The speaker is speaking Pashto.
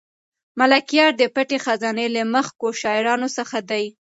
ملکیار د پټې خزانې له مخکښو شاعرانو څخه دی.